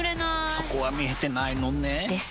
そこは見えてないのね。です。